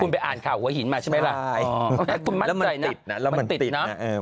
คุณไปอ่านข่าวหัวหินมาใช่ไหมล่ะคุณมั่นใจนะใช่และมันติดนะและมันติดนะ